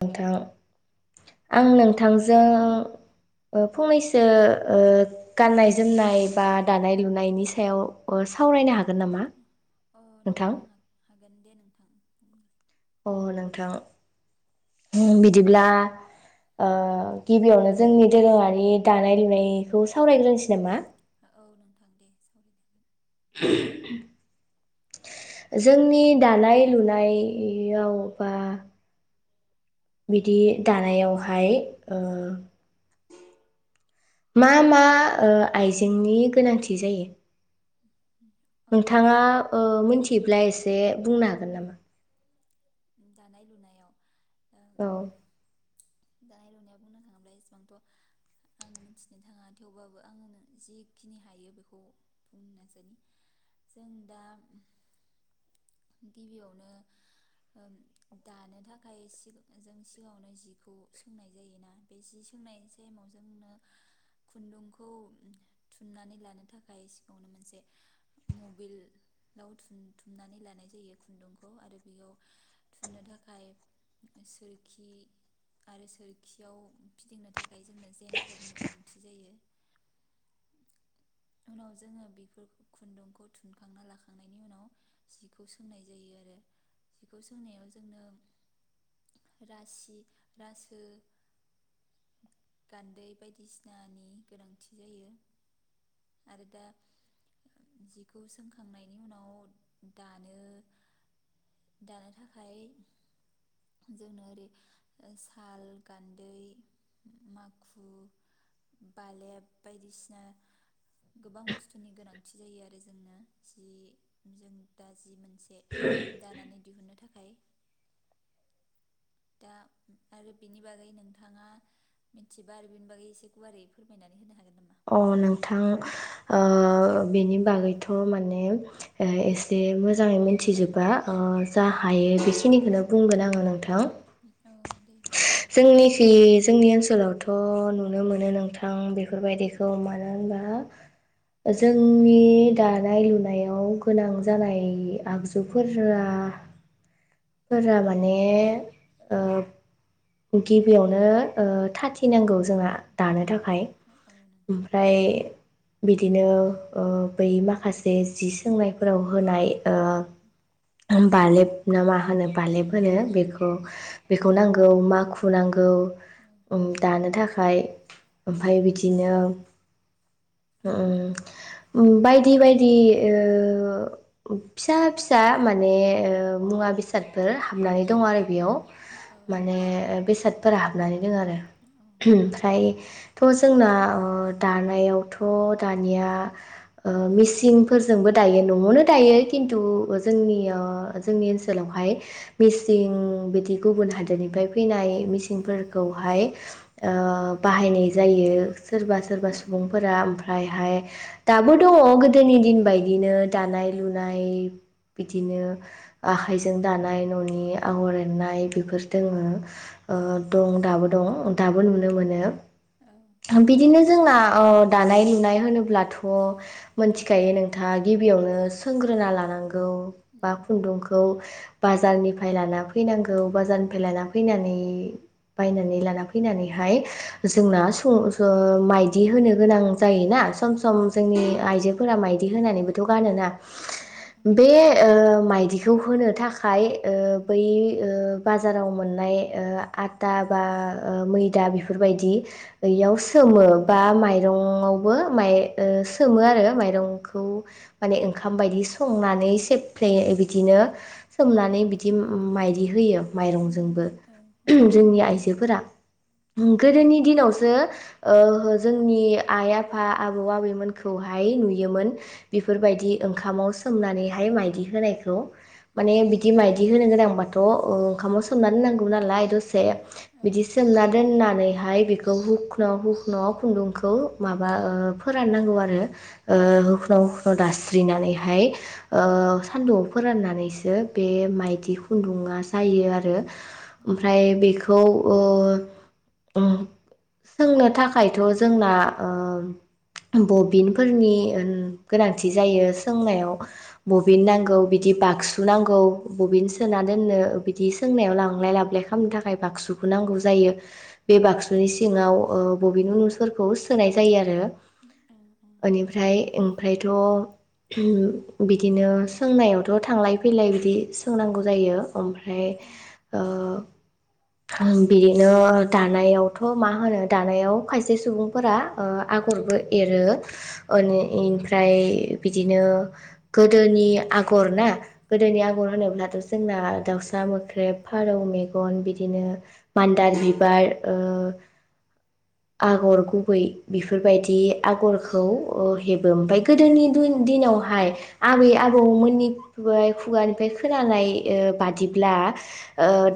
नोंथां आं नोंथांजों ओ फंनैसो ओ गाननाय - जोमनाय बा दानाय - लुनायनि सायाव सावरायनो हागोन नामा अ नोंथां हा गोन दे नोंथां अ नोंथां बिदिब्ला गिबियावनो जोंनि दोरोङारि दानाय लुनायखौ सावरायग्रोनोसै नामा औ नोंथां दे सावरायगोन जोंनि दानाय लुनायाव बा बिदि दानायावहाय ओ मा मा आइजेंनि गोनांथि जायो हागोन औ नोंथांङा मोन बिदिब्ला एसे बुंनो हागोन नामा? दानाय लुनायाव ओ औ दानाय लुनाया बुंनो थांङोब्ला एसेबांथ' आं मिथिनो थांङा थेवबाबो आंङो जिखिनि हायो बेखौ बुंनो नाजायो जों दा गिबियावनो दानो थाखाय जों सिगांङावनो जिखौ सोंनाय जायोना बे जि सोंनाय टाइमाव जोंनो खुन्दुंखौ थुमनानै लानो थाखाय सिगाङावनो मोनसे मबलाव थ थुमनानै लानाय जायो खुन्दुंखौ आरो बेयाव थुननो थाखाय सोरखि आरो सोरखियाव फिदिंनो थाखाय जोंनो जेनथेरनि गोनांथि जायो उनाव जोंङो बेफोरखौ खुन्दुंखौ थुनखांना लाखांनायनि उनाव जिखौ सोंनाय जायो आरो जिखौ सोंनायाव जोंनो रासि रासो गान्दै बायदिसिनानि गोनांथि जायो आरो दा जिखौ सोंखांनायनि उनाव दानो दानो थाखाय जोंनो ओरै साल गान्दै माखु बालेब बायदिसिना गोबां बुस्थुनि गोनांथि जायो आरो जोंनो जि जों दा जि मोन दानानै दिहुननो थाखाय दा आरो बिनि बागै नोंथांङा मिथिबा आरो बेनि बागै एसे गुवारै फोरमायनानै होनो हागोन नामा? अ नोंथां ओ बेनि बागैथ' माने ओ एसे मोजाङै मोनथिजोबा ओ जा हायो बेखिनिखोनो बुंगोन आङो नोंथां [inaudible] बुंनो हागोन नोंथां थ' नुनो मोनो नोंथां बेफोरबायदिखौ मानो होनबा जोंनि दानाय-लुनायाव गोनां जानाय आगजुफोरा फोरा माने ओ गिबियावनो ओ थाथि नांगौ जोंहा दानो औ थाखाय नोंथां औ नोंथां ओमफ्राय बिदिनो ओ बै माखासे जि सोंनायफोराव होनाय ओ बालेब ना मा होनो बालेब होनो बेखौ बेखौ नांग उमा खुनांग [unintelligible] ओम दानो थाख फाय ओमफाय बिदिनो ओम बायदि बायदि ओ फिसा फिसा माने ओ मुवा-बेसादफोर हाबनानै दङ' आरो बेयाव औ औ माने नोंथां बेसादफोरा हाबनानै दोङो आरो औ औ [unintelligible] ओमफ्राय थ' जोंना दानायावथ' दानिया ओ मेसिंफोरजोंबो दायो न'वावनो दायो किनतु जोंनिया जोंनि सोलावहाय मिसिं बिदि गुबुन हा दोरनिफ्राय फैनाय मेचिनफोरखौहाय ओ बाहायनाय जायो सोरबा सोरबा सुबुंफोरा ओमफ्रायहाय दाबो दङ' गोदोनि दिन बायदिनो दानाय- लुनाय बिदिनो आखाइजों दानाय न'नि आगर एरनाय बेफोर दोङो ओ दं दाबो दं दाबो नुनो मोनो बिदिनो जोंना अ दानाय-लुनाय होनोब्लाथ' मोनथिखायो नोंथाङा गिबियावनो सोंग्रोना लानांगो- गौ बा खुनदुंखौ बाजारनिफ्राय लाना फैनांगौ बाजारनि फाय लाना फैनानै बायनानै लाना फैनानैहाय जोंना [unintelligible] माइदि होनो गोनां जायोना सम सम जोंनि आइजोफोरा मायदि होनानैबो थ' गानोना बे ओ माइदि बेखौ होनो थाखाय ओ बै ओ बा जाराव मोननाय ओ आटा बा ओ मैदा बेफोरबायदि याव सोमो बा माइरंआवबो माइ ओ सोमो आरो माइरंखौ माने ओंखाम बायदि संनानै सेफ्ले बिदिनो सोमनानै बिदि माइदि होयो। माइरंजोंबो [unintelligible] जोंनि आइजोफोरा गोदोनि दिनावसो ओ जोंनि आइ आफा आबौ आबैमोनखौहाय नुयोमोन बेफोरबायदि ओंखामाव सोमनानैहाय माइदि होनायखौ माने बिदि माइदि होनो गोनांबाथ' द' ओ ओंखामाव सोमना दोननांगौ नालाय दसे बिदि सोमना दोननानैहाय खौ हुख्न'हुख्न'खुनदुंखौ माबा ओ फोराननांगौ आरो औ ओ औ हुख्न' हुख्न' दास स्रिनानैहाय ओ सानदुङाव फोराननानैसो बे मायदि खुनदुङा जायो आरो ओमफ्राय बेखौ सोंनो थाखायथ' जोंना बबिनफोरनि गोनांथि जायो औ सोंनायाव बबिन नांगौ बिदि बागसु नांगौ बबिन सोना दोननो बिदि सोंनायाव लांलाय लाबोलाय खालामनो थाखाय बाक्सुखौ नांगौ जायो बे बाक्सुनि सिङाव बबिन [unintelligible] फोरखौ सोनाय जायो आरो औ बेनिफ्राय ओमफ्रायथ' बिदिनो सोंनायावथ' थांलाय फैलाय बिदि सोंनांगौ जायो ओमफ्राय बिदिनो दानायावथ' मा होनो दानायाव खायसे सुबुंफोरा आगरबो एरो ओमफ्राय बिदिनो गोदोनि आगर ना गोदोनि आगर होनोब्लाथ' जोंना दाउ सा मोख्रेब, फारौ मेगन बिदिनो मान्दार बिबार आगर गुबै बिफोरबायदि आगरखौ [unintelligible] ओमफ्राय गोदोनि दिनावहाय आबै आबौमोननि खुगानिफ्राय खोनानाय बादि ब्ला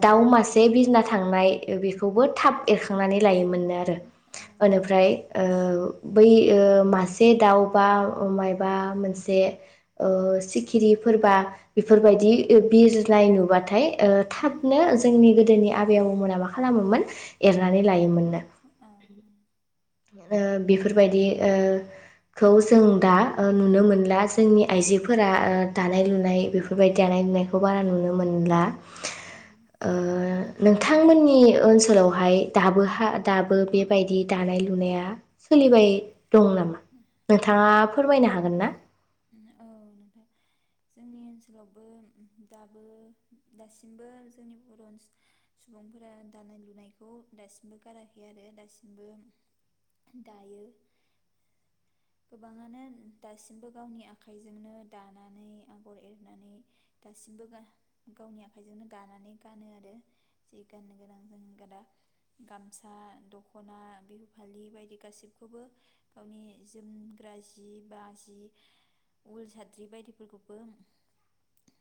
दाउ मासे बिरना थांनाय बेखौबो थाब एरखांनानै लायोमोन आरो औ ओनिफ्राय बै मासे दाउ बा मायबा मोनसे सिखिरिफोरबा बेफोरबायदि बिरनाय नुबाथाय [unintelligible] थाबनो जोंनि गो गोदोनि आबै आबौमोना मा खालामोमोन एरनानै लायोमोननो [unintelligible] बेफोरबायदिखौ जों दा नुनो मोनला जोंनि आइजोफोरा दानाय लुनाय बेफोरबायदि दानाय लुनायखौ बारा नुनो मोनला नोंथांमोननि ओनसोलावहाय दाबो दाबो बेबायदि दानाय लुनाया सोलिबाय दं नामा नोंथाङा फोरमायनो हागोन हागोनना औ नोंथां जोंनि ओनसोलावबो दाबो दासिमबो जोंनि बर' सुबुंफोरा दानाय लुनायखौ दासिमबो गाराखै आरो दासिमबो दायो गोबाङानो दासिमबो गावनि आखाइजोंनो दानानै आगर एरनानै दासिमबो गावनि आखाइजोंनो दानानै गानो आरो जि गाननो गोनां [unintelligible] गामसा दख'ना बिहु फालि बायदि गासिबखौबो गावनि जोमग्रा जि बा जि उल साद्रि बायदिफोरखौबो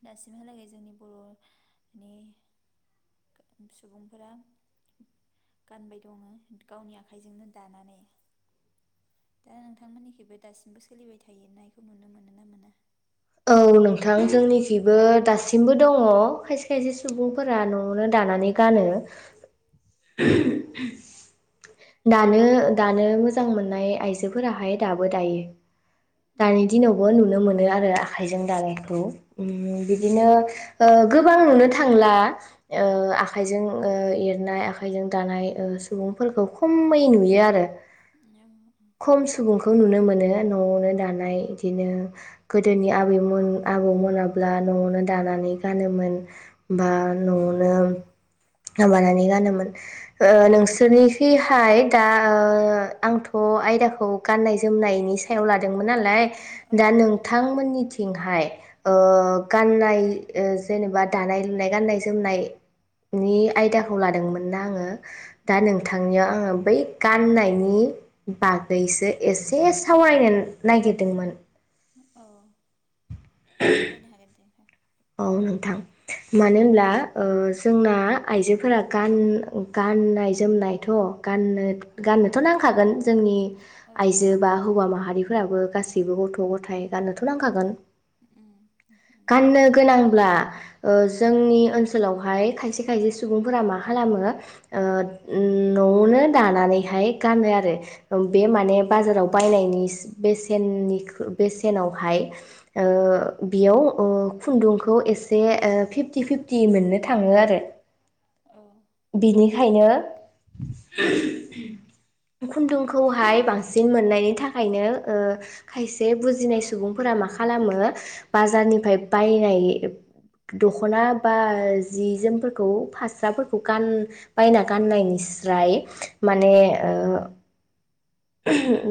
दासिमहालागै जोंनि बर'नि सुबुंफोरा गानबाय दङ गावनि आखाइजोंनो दानानै दा नोंथांमोननिखैबो दासिमबो सोलिबाय थायो नायखौ नुनो मोनो ना मोना औ नोंथां जोंनिखिबो दासिमबो दङ खायसे खायसे सुबुंफोरा न'आवनो दानानै गानो दानो दानो मोजां मोननाय आइजोफोराहाय दाबो दायो दानि दिनावबो नुनो मोनो आरो आखाइजों दानायखौ उम बिदिनो ओ गोबां नुनो थांला ओ आखाइजों ओ एरनाय आखाइजों दानाय ओ सुबुंफोरखौ खमै नुयो आरो खम सुबुंखौ नुनो मोनो न'वावनो दानाय इदिनो गोदोनि आबैमोन आबौ मोनाब्ला न'वावनो दानानै गानोमोन बा न'वावनो माबानानै गानोमोन ओ नोंसोरनि बैहाय दा ओ आंथ आयदाखौ गाननाय जोमनायनि सायाव लादों मोन नालाय औ दा नोंथां नोंथांमोननिथिंहाय ओ गाननाय जेनेबा दानाय लुनाय गाननाय जोमनायनि आयदाखौ लादोंमोन ना आङो औ या आङो बै गाननायनि बागैसो एसे सावरायनो नागिरदोंमोन औ सायनो हागोन दे औ नोंथां मानो होनब्ला जोंना आइजोफोरा गान गाननाय जोमनायथ गाननो गाननोथ नांखागोन जोंनि औ औ आइजो बा हौवा माहारिफोराबो गासैबो गैबो गथ' गथाय गाननोथ नांखागोन उम नंगौ गाननो अब्ला जोंनि ओनसोलावहाय खायसे खायसे सुबुंफोरा मा खालामो ओ उम न'आवनो दानानैहाय गानो आरो ओ औ बे माने बाजाराव बायनायनि बेसेननि खो बेसेनावहाय ओ बेयाव ओ खुन्दुंखौ एसे फिफ्टि फिफ्टि मोननो थाङो आरो औ बेखायनो खुन्दुंखौहाय बांसिन मोननायनि थाखायनो ओ खायसे बुजिनाय सुबुंफोरा मा खालामो बाजारनिफ्राय बायनाय दखना बा जि जोमफोरखौ फास्राफोरखौ गान बायना गाननायनिस्राय माने ओ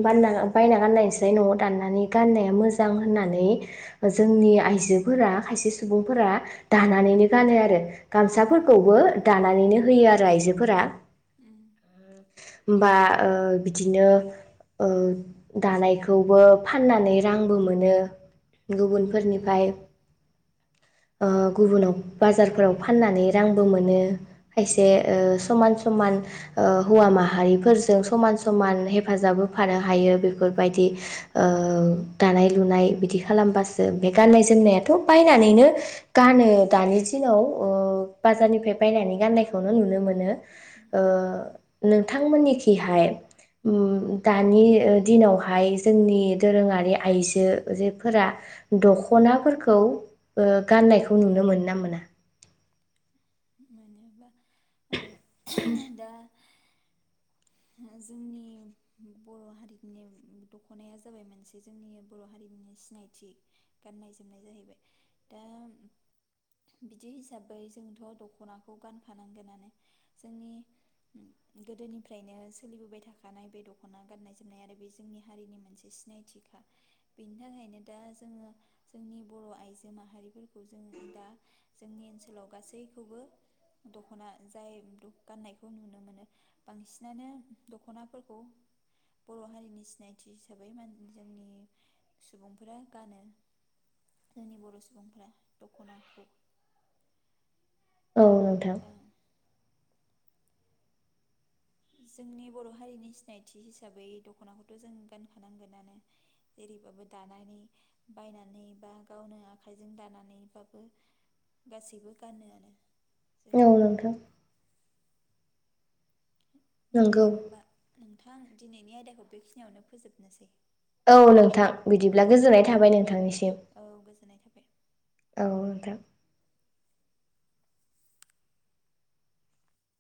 बायना गाननायनिस्राय न'वाव दाननानै गाननाया मोजां होननानै जोंनि आइजो फोर खायसे सुबुंफोरा दानानैनो गानो आरो औ गामसाफोरखौबो नोंथां नंगौ दानानैनो होयो आरो आइजो फोरा उम होमबा ओ बिदिनो दानायखौबो फाननानै रांबो मोनो गुबुनफोरनिफ्राय ओ गुबुनाव बाजारफोराव फाननानै रांबो मोनो खायसे औ समान समान ओ हौवा माहारिफोरजों समान समान हेफाजाब होफानो हायो बेफोरबायदि ओ दानाय लुनाय बिदि खालामबासो बे गाननाय जोमनायाथ बायनानैनो गानो दानि दिनाव ओ बाजारनिफ्राय बायनानै गाननायखौनो नुनो मोनो औ ओ नों थांमोननिखिहाय उम दानि ओ दिनावहाय जोंनि दोरोङारि आइजोफोरा दखनाफोरखौ ओ गाननायखौ नुनो मोनोना मोना? [unintelligible] दा [unintelligible] जोंनि बर हारिनि दखनाया जाबाय मोनसे जोंनि बर हारिनि सिनायथि गाननाय जोमनाय जाहैबाय दा बिदि हिसाबै जोंथ दखनाखौ गानखानांगोनानो जोंनि गोदोनिफ्रायनो सोलिबोबाय थाखानाय बे दखना गाननाय जोमनाय आरो बे जोंनि हारिनि मोनसे सिनायथिखा बेनि थाखायनो दा जोङो जोंनि बर आइजो माहारिफोरखौ जों दा जोंनि ओनसोलाव गासैखौबो दखना जाय गाननायखौ नुनो मोनो बांसिनानो दखनाफोरखौ बर हारिनि सिनायथि हिसाबै मा जोंनि सुबुंफोरा गानो जोंनि बर सुबुंफोरा दखनाखौ औ नोंथां दा जोंनि बर हारिनि सिनायथि हिसाबै दखनाखौथ जों गानखानांगोनानो जेरैबाबो दानानै बायनानै बा गावनो आखाइजों दानानैबाबो गासैबो गानोआनो जों औ नोंथां दे नंगौ होमबा नों नोंथां दिनैनि आयदाखौ बेखिनियावनो फोजोबनोसै औ नोंथां बिदिब्ला औ गोजोननाय थाबाय नोंथांनिसिम औ गोजोननाय थाबाय औ नोंथां